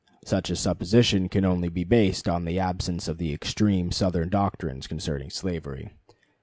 Such a supposition can only be based on the absence of the extreme Southern doctrines concerning slavery.